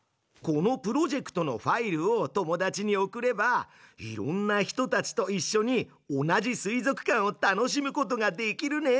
このプロジェクトのファイルを友達に送ればいろんな人たちといっしょに同じ水族館を楽しむことができるね！